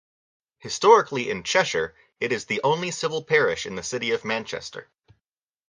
Historically in Cheshire, it is the only civil parish in the city of Manchester.